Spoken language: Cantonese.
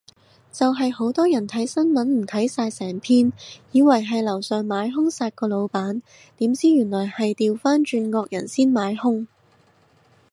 就係好多人睇新聞唔睇晒成篇，以為係樓上買兇殺個老闆，點知原來係掉返轉惡人先買兇